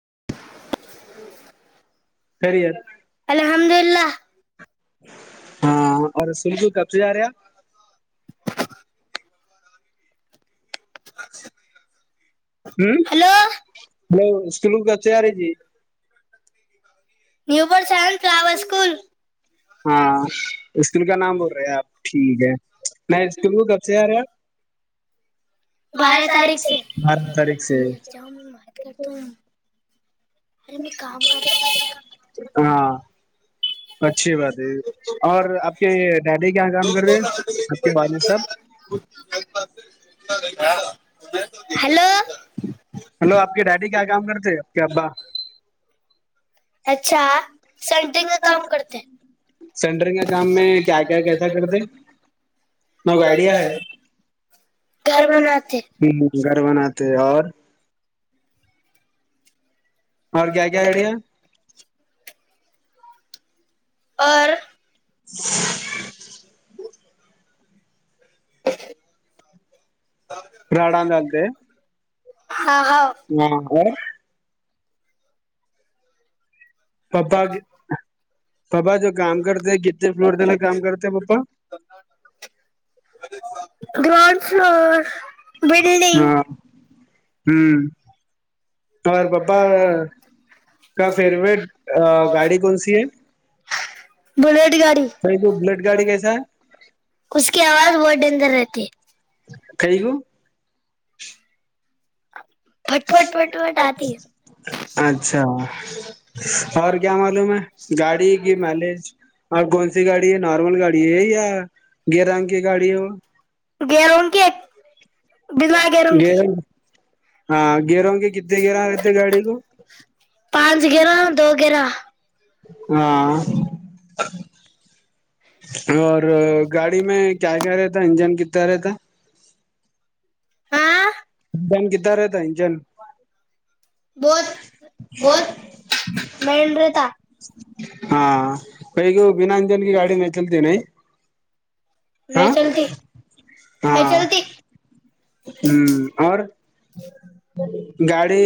[inaudible] خیریت الحمد ل الا ہاں اور سنیجو کب سے جا رہےپ نہیں ہوں نہیں چلو گا چیاری جی نیو بڈ سل فلاور اسکول ہاں اسکول کا نام بول رہے ہیں آپ ٹھیک ہے میں اسکول کو کب سے آ رہے آپ بارہ تاریخ سے بارہ تاری تاریخ سے سےا میں مات کرتا ہوں ارے میں کام کرتا ہاں اچھی بات ہے اور آپ کے ڈیڈی کیا کام کر رہے آپ کے والد صاحب ہلو ہلو آپ کی ڈیڈی کیا کام کرتے کیابا اچھا سینٹرگ میں کام کرتے ہیں سینٹرنگ کام میں کیا کیا کیسا کرتے م گ آئیڈیا ہے گھر بناتے ہ گھرب نتے اور اورگگ ہےڈیا اور [unintelligible] [unintelligible] پرڈانگتے ہ ہاں [unintelligible] پاپا پاپا جو کام کرتے ہیں کنے فلٹ دلا کام کرتے ہیں پاپا گراؤڈ فلور بلڈینگ ہاں ہوں اور پپا کا فیورورٹ گاڑی کون سی ہے بڑ گاڑی کئی کو بلٹ گاڑی کیسا ہے اس کی آواز بہت ڈدر رہتی کئی ہے کو پھٹ پھٹ پھٹ پھٹ آتی ہے اچھا [unintelligible] اور کیا معلوم ہے گاڑی کی مائلج اور کون سی گاڑی ہے نارمل گاڑی ہے یا گ رگ کی گاڑی ہے ہو گرون کی بنا گیروں کی [unintelligible] گیروں کے کتنے گیرا رہتے گاڑی کو پانچ گرا دو گرا ہاں اور گاڑی میں کیا کہہ رہے تھا انجن کی [unintelligible] ہاں انجن کدنا رہتا ہے انجن بہت بہت مڈ رہتا ہاں کوئی گ بناجن کی گاڑی ن چلتین نہیں چلتی نہیں چلتی ہوں اور گاڑی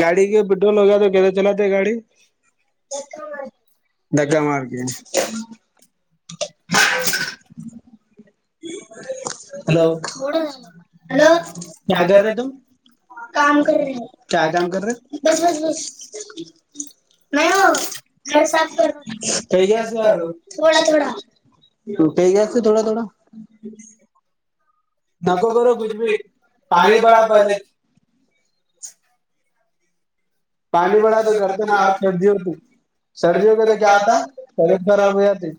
گاڑی کی پٹرول ہوگا تو کیسے چلااتات گاڑی دھکا مار دگ مار کے [inaudible] ہلو تھوڑا ڈالا ہلو کیا کر رہے تم کام کر رہے ہو کیا کام کر رہے بس بس کہ بس نہیں وہ گھر صاف کر رہا تھا گیاا کہ گیا تھوڑا تھوڑا تھڑا تھوڑا جی نک کرو کچھ بھی پانی بڑاب پہلے [inaudible] پانی بڑا تو گھر تو نا اور سردی ہوتی سردی ہو کے تو کیا ہوتا طبیعت خراب ہو جاتی ھ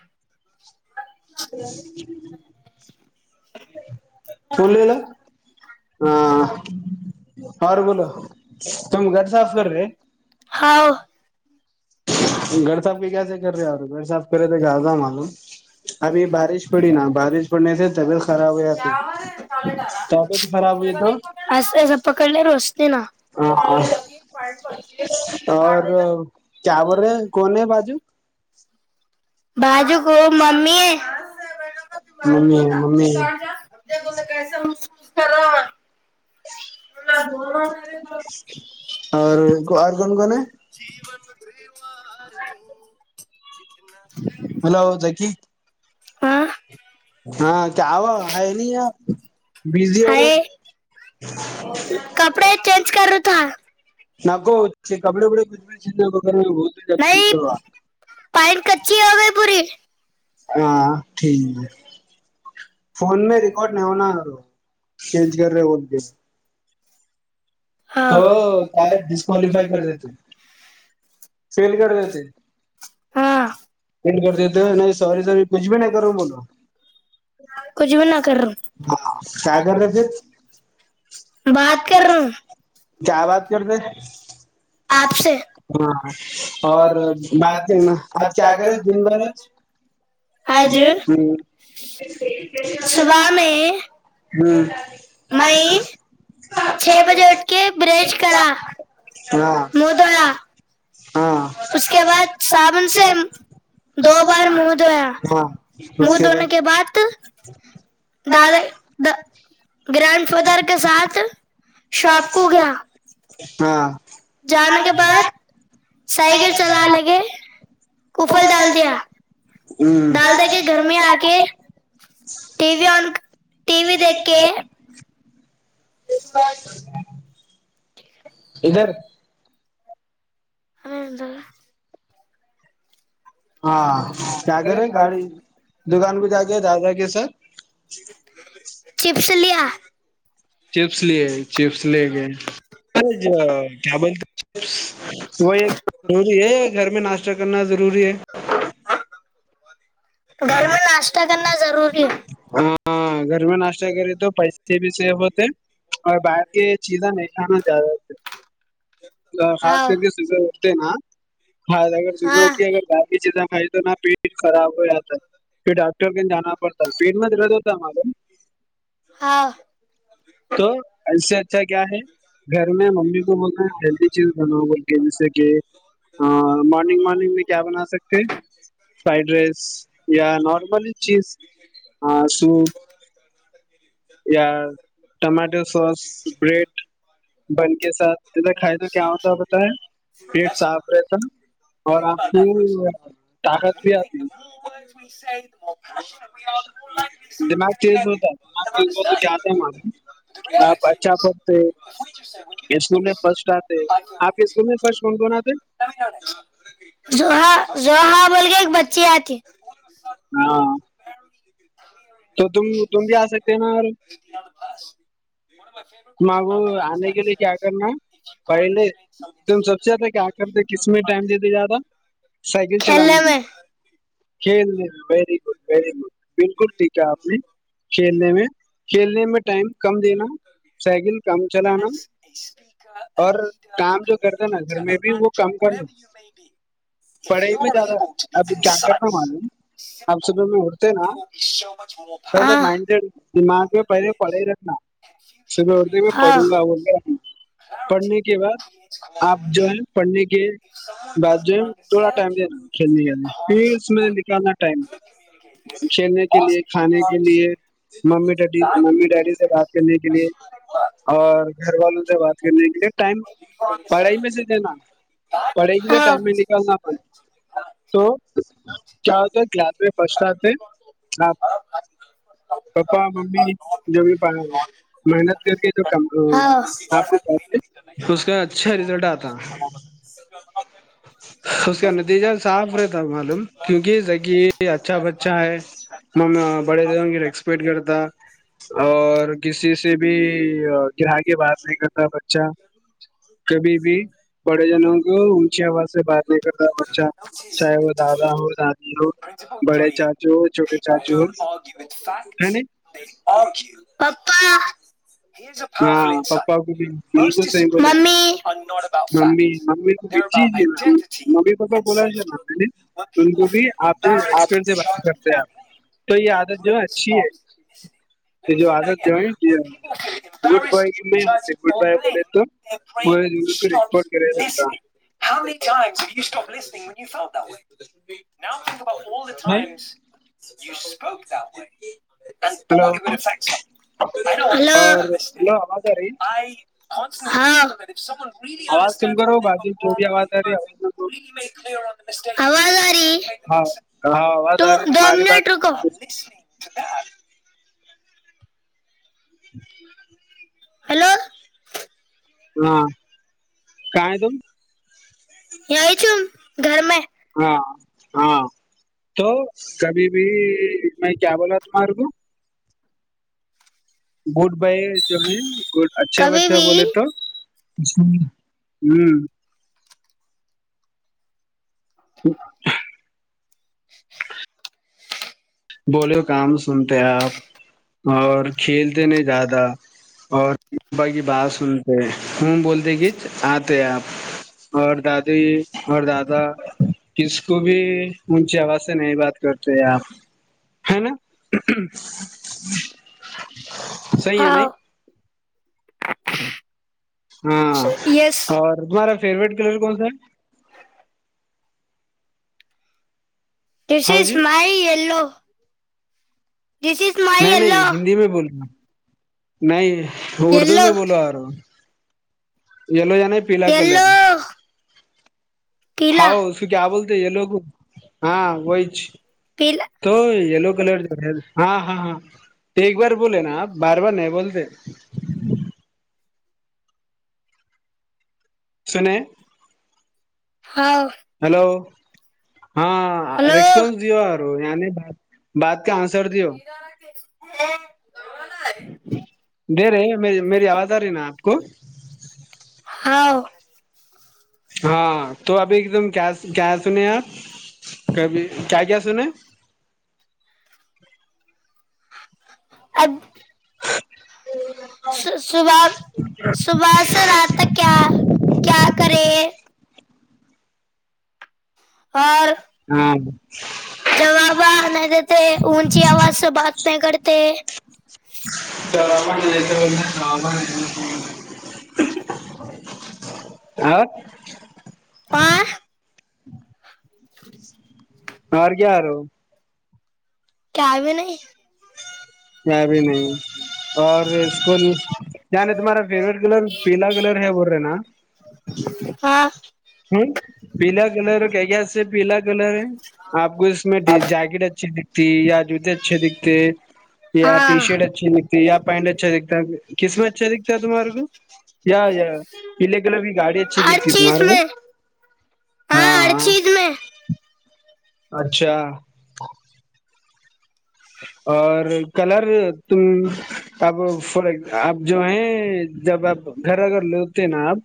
[inaudible] چلے للو ہاں اورار بولو تم گڈ ساف کری دوؤ گڑساب کیس کر رہے اورے گڑساح پہلے تو جیاازا معلوں ابھی بارش پڑی نا بارش پڑنے سے طبیعت خراب ہوئی تھی طبیعت خراب ہوئی تو ایسا ایسا پکڑ لے روستے نا ہ اور کیاول کونے بازو بجو کو مممی ہے [unintelligible] م ہیں م ہیں اور اور کون کون ہے [unintelligible] جین مے [unintelligible] ہ آ ر ت [unintelligible] چکن [unintelligible] ہلو ذکی ہاں [unintelligible] آچ [unintelligible] کیا ہو ہے نہیں یہ بزی ہو گئے ہائے [unintelligible] کپڑے چینج کروں تھا [unintelligible] نہ کوو کپڑے وپڑے ک [unintelligible] نہیں پائٹ کچی ہو گئی پوری [unintelligible] ہاں ٹھیک ہے [unintelligible] فون میں ریکارڈ نہیں ہونا چینج کر رہے ب تو کیا ڈسکالفائی کر دی ت [unintelligible] فل کر دی تھ ہاں فل کر دی تھ نہیں س س کچھ بھی نہیں کروں بولو کچھ بھی نہ کر رہا ہوں ہ کیا کر رہ تھے [unintelligible] بات کر رہا ہوں کیا بات کرتے ہاں آپ سے [unintelligible] اور ب آج کیا کریں دن بھرج آج ہ [unintelligible] ہوں صبح میں [unintelligible] میں چھ بجے اھ کے بریج کرا ہاں [unintelligible] مود ہاں [unintelligible] اس کے بعد سابن سے دو بار منہ دھویا ہاں منہ اس دھونے بعد کے بعدال گرانڈ فادر کے ساتھ شاپکو گیا ہاں [unintelligible] جانے کے بعد [unintelligible] سائیکل چلا ل کے کوفر ڈال دیا ڈال د کے گھر میں آ کے ہ TV on TV دیکھ کے [unintelligible] جس [inaudible] ادھر [unintelligible] ہمنایںند [unintelligible] ہاں کیا کرے گاڑی دکان بھیہ جا کے زیادہ کیسے [unintelligible] چپس لیا [unintelligible] چپس لیے [unintelligible] چپس لے گئے ارے ج کیا بول [unintelligible] وہ ایک ضروری ہے [unintelligible] گھر میں ناشتہ کرنا ضروری ہے [unintelligible] گھر میں ناشتہ کرنا ہ ضروری [unintelligible] [unintelligible] ہاں گھر میں ناشتہ کرے تو پیسے بھی سیف ہوتے اور باہر کی چیزاں نہیں [unintelligible] انا زیادہ خاص ہاؤ کر کے س [unintelligible] اتے ن [unintelligible] ہاں اگر صبح ہاں اٹھ کے اگر باقیز [unintelligible] کھائی تو نہ پیٹ خراب ہو جاتا ہے پھر ڈاکٹر کےیں جانا پڑتا [unintelligible] سیڈ م رد ہوتا مارم [unintelligible] ہاں [unintelligible] تو ایسے [unintelligible] اچھا کیا ہے [unintelligible] گھر میں ممی کو بولتا ہے ہیلدی چیز بناؤ بول کے جیسے کہ مارننگ مارننگ میں کیا بنا سکتے فرائیڈ رائس یا نارملی چیز سوپ [unintelligible] یا ٹماٹو سوس بریڈ بن کے ساتھ کھائے تو کیا ہوتا بتائیں پیٹ صاف رہتا اور آپ کو طاقت بھی آتی [unintelligible] مس آ تھ [unintelligible] اچھا یاد بوللا [unintelligible] چز ہوتا [unintelligible] تو جاہتے ہیں م آپ اچا پ سے [unintelligible] اسکول میں فرٹ آتے آپ کے اسکول میں فرسٹ کون کون آتے [unintelligible] ج ہاں جو ہاں بول کے ایک بچی آتی [unintelligible] ہاں [unintelligible] تو تم تم بھی آ سکتے نا مگو آنے کے لیے کیا کرنا ہے پہلے تم سب سے آ کیا کرتے کس میں ٹائم دیتے زیادہ سائیکل [unintelligible] چلانے میں [unintelligible] کھیلنے ویری گڈ ویری گڈ بالکل [unintelligible] یک آپ نے کھیلنے میں کھیلنے میں ٹائم کم دینا سائیکل کم چلانا اور کام جو کرتے نا گھر میں [unintelligible] کرنا پڑھائی میں [inaudible] آپ صبح میں اٹھتے نا پہلے مائنڈڈ [unintelligible] ماں تو پہلے پڑھے رکھنا [unintelligible] صب اتے میں پڑوں گا ا گا [unintelligible] پڑھنے کے بعد آپ جو ہے پڑھنے کے بعد جو ہے [unintelligible] تھوڑا ٹم دینا کھیلنے کلنی پھر [unintelligible] اس میں نکالنا ٹائم چ [unintelligible] کے لیے کھانے کے لیے ممی ڈی ممی ڈیڈی سے بات کرنے کے لیے اور گھر والوں سے بات کرنے کے لیے ٹائم پڑھائی میں سے دینا پڑھائی کے لیے ٹائم میں نکالنا پ تو کیا ہوتا ہے کلاس میں فسٹ آتے آپ پپا ممی جو بھی محنت کر کے جو کام ہاں ا آپ کو [unintelligible] اس کا اچھا رزلٹ آتا اس کا نتیجہ صاف رہتا معلوم کیونکہ ذک اچھا بچہ ہے م بڑے جنوں کی رسپیکٹ کرتا اور کسی سے بھی گرا کے بات نہیں کرتا بچہ کبھی بھی بڑے جنوں کو اونچی آواز سے بات نہیں کرتا بچہ چاہے وہ دادا ہو دادی ہو بڑے چاچو ہو چھوٹے چاچو ہے ن پپا [unintelligible] ہاں پپا کو بھی بالکل صحیح بولے ممی ممی کو بھی جی جی ممی پپا بولا نے ان کو بھی آپ جوپ سے بات کرتے ہیں آپ تو یہ عادت جو ہے اچھی ہے تو جو عادت جو ہے کی گڈ بائے میں ہوتے گڈ بائے بولے تو فائگ پورے دنیا کو اسٹپ ریکارڈ کرے لیس سرکار میں ہم یہ چاہیں اسٹاپ لیس نہیں سپ [inaudible] وہ جت نہیں ہے خوب چپ [unintelligible] ب [unintelligible] ہلو اور ہلو آواز آ رہی ہاں سک [inaudible] [inaudible] آواز سم کرو باجی جو بھی آواز آ رہی حو ہے آواز نہ دو ہاں ہاں [unintelligible] آواز تو آ رہی دو تمہاری بات منٹ رکو ہیلو ہاں کا ت یہاں چ گھر میں ہاں ہاں تو کبھی بھی میں کیا بولا تمہارے کو گڈ بائی جو ہے اچھا کبھی بچھا بھی بولے تو ہوں [inaudible] بولے کام سنتے آپ اور کھیلتے نہیں زیادہ اور ابا کی بات سنتے ہوں بولتے کہ آتے آپ اور دادی اور دادا کس کو بھی اونچی آواز سے نہیں بات کرتے آپ ہے نا صی ہے آؤ نہیں ہاں یس اور مارا فیوریٹ کلر کون سا ہے دس ہاؤ از جی my yellow this is my نہیں نہیں یلو ہندی میں بول رہے نہیں اردو یلو میں بولو آ رہا ہوں یلو یا نہیں پیلا کا لیتا یلو ہا پیلا سو کیا بولتے یہ لگ ہاں وہیچ پیلا تو یہ لوگ ہاں ہاں ہاں ایک بار بولے نا آپ بار بار نہیں بولتے سنے ہاں ہیلو ہاں ہلو ریسپنس د اور نے بات بات آنسر د ہو د رہے میری آواز آ رہی نا آپ کو [inaudible] ہاں تو ابھی ایک دم کیا کیا سنے آپ کبھی کیا کیا سنے اب صبح صبح سے رات تک کیا کیا کرے اور ہاں جواب آ نہیں دیتے اونچی آواز سے بات نہیں کرتے آ ا ہاں اورار کیاار ہو کیا آئے بھی نہیں میں بھی نہیں اور اسکول ان تمہارا فیوریٹ کلر پیلا کلر ہے بول رہے نا ہاں ہ پلا کلر ر کہ کیاہ ج سے پیلا کلر ہے آپ کو اس میں جیکٹ اچھی دکھتی یا جوتے اچھے دکھتے ٹی ہاں شرٹ اچھی ن یا پینٹ اچھا دیککھتا ہے قسمت اچھا دکھتا ہے تمارگ یا یا پل کےلا بھی گاڑی اچھی ہر دکھتی تمار چیز کو میں ہاں ہر ہاںاں چیز میں اچھا اور کلر تم اب فار اب جو ہے جب آپ گھر اگر لیتے نا آپ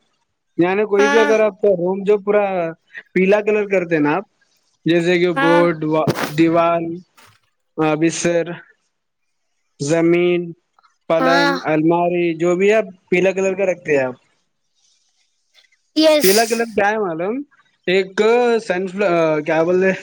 یعنی کوئی بھی ہاں اگر آپ کا روم جو پورا پیلا کلر کرتے نا آپ جیسے کہ ہاں بورڈ و دیوان آبصر زمین پلنگ ہاں الماری جو بھی ہے آپ پیلا کلر کا رکھتے ہیں آپ پیلا یس گلر کیا ہے معلم ایک سنف کیا بول رہ